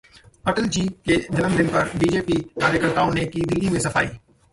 अटलजी के जन्मदिन पर बीजेपी कार्यकर्ताओं ने की दिल्ली में सफाई